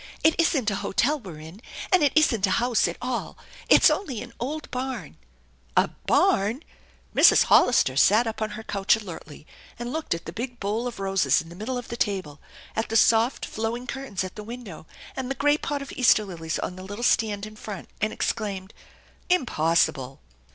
It isn't a hotel we're in, and it isn't a house at all. It's only an old barn!" <36 THE ENCHANTED BARN "A barn !" Mrs. Hollister sat up on her couch alertly, and looked at the big bowl of roses in the middle of the table, at the soft, flowing curtains at the window and the great pot of Easter lilies on the little stand in front, and exclaimed, " Impossible